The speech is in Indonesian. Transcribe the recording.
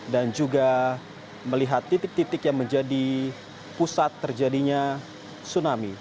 dan juga melihat titik titik yang menjadi pusat terjadinya tsunami